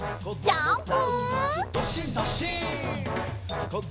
ジャンプ！